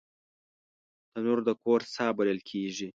تنور د کور ساه بلل کېږي